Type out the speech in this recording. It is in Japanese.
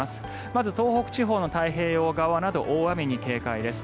まず、東北地方の太平洋側など大雨に警戒です。